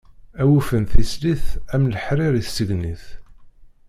Awufan tislit am leḥrir i tsegnit!